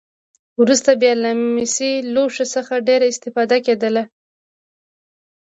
وروسته بیا له مسي لوښو څخه ډېره استفاده کېدله.